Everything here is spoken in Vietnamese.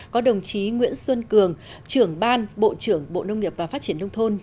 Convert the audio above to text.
có đồng chí nguyễn xuân cường trưởng ban bộ trưởng bộ nông nghiệp và phát triển nông thôn